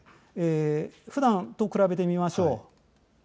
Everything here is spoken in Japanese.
ふだんと比べてみましょう。